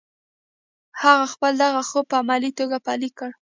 هغه خپل دغه خوب په عملي توګه پلی کړ